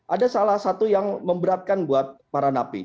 ada salah satu yang memberatkan buat para napi